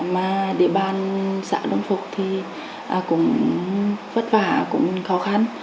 mà địa bàn xã đông phục thì cũng vất vả cũng khó khăn